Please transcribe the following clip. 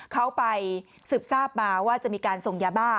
เขาไปสืบทราบมาว่าจะมีการส่งยาบ้า